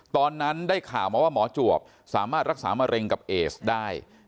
ตอนนั้นได้ข่าวมาว่าหมอจวบสามารถรักษามะเร็งกับเอสได้